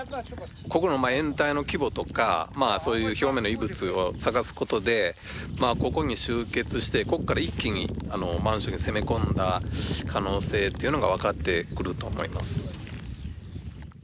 ここの掩体の規模とかそういう表面の遺物を探すことでここに集結してここから一気に満州に攻め込んだ可能性というのがわかってくると思います。